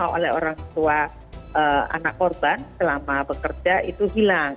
penghasilan yang biasanya diterima oleh orang tua anak korban selama bekerja itu hilang